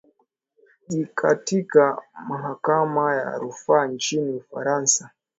ji katika mahakama ya rufaa nchini ufarasa